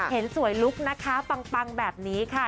เห็นสวยลุคนะคะปังแบบนี้ค่ะ